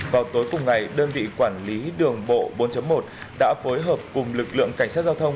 vào tối cùng ngày đơn vị quản lý đường bộ bốn một đã phối hợp cùng lực lượng cảnh sát giao thông